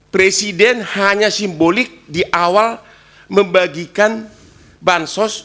presiden hanya simbolik di awal membagikan bansos